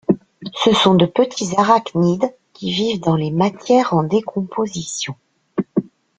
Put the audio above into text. Ce sont de petits arachnides qui vivent dans les matières en décomposition.